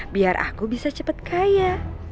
biar aku bisa cepat kaya